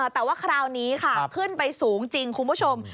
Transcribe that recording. แต่ว่าคราวนี้ค่ะขึ้นไปสูงจริงคุณผู้ชม